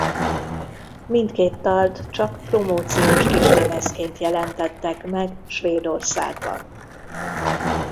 Mindkét dalt csak promóciós kislemezként jelentettek meg Svédországban.